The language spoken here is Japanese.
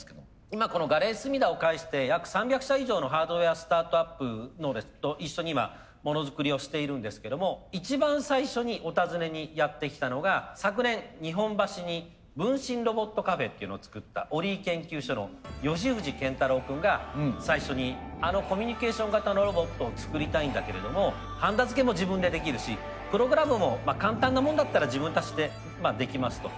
今このガレージスミダを介して約３００社以上のハードウエアスタートアップと一緒に今モノづくりをしているんですけども一番最初にお尋ねにやって来たのが昨年日本橋に分身ロボットカフェっていうのを作ったオリィ研究所の吉藤健太朗君が最初にあのコミュニケーション型のロボットを作りたいんだけれどもはんだ付けも自分でできるしプログラムも簡単なもんだったら自分たちでできますと。